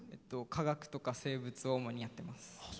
化学とか生物を主にやっています。